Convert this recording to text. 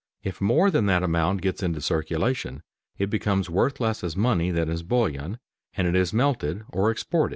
If more than that amount gets into circulation it becomes worth less as money than as bullion, and it is melted or exported.